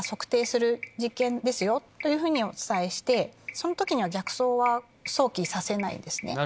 その時には逆走は想起させないんです。